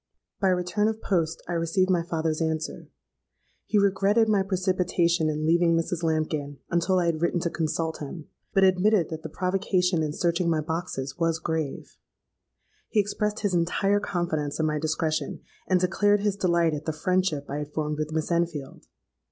By return of post I received my father's answer. He regretted my precipitation in leaving Mrs. Lambkin until I had written to consult him; but admitted that the provocation in searching my boxes was grave. He expressed his entire confidence in my discretion, and declared his delight at the friendship I had formed with Miss Enfield.